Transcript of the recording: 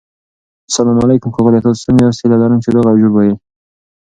سلام علیکم ښاغلیه تاسو سنګه یاست هيله لرم چی روغ او جوړ به يي